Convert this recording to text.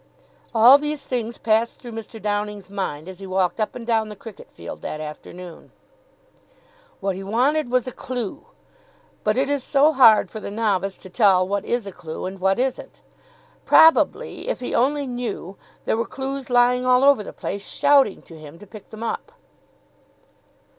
All these things passed through Mr. Downing's mind as he walked up and down the cricket field that afternoon. What he wanted was a clue. But it is so hard for the novice to tell what is a clue and what isn't. Probably, if he only knew, there were clues lying all over the place, shouting to him to pick them up.